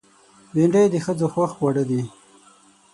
بېنډۍ د ښځو خوښ خوړ دی